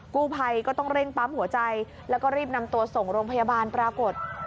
กู้ภัยก็ต้องเร่งปั๊มหัวใจแล้วก็รีบนำตัวส่งโรงพยาบาลปรากฏ